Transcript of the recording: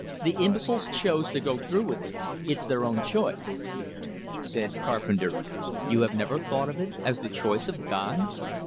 "The imbeciles choose to go through with it; it's their own choice." Said Carpenter: "You have never thought of it as the choice of God?"